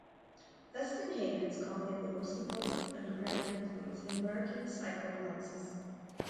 Leston Havens called him the most important underground influence in American psychoanalysis.